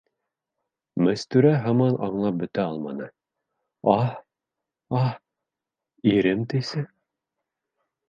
Мәстүрә һаман аңлап бөтә алманы: - Аһа, аһа, ирем, тисе...